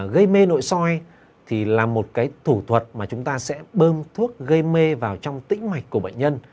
gây mê nội soi thì là một cái thủ thuật mà chúng ta sẽ bơm thuốc gây mê vào trong tĩnh mạch của bệnh nhân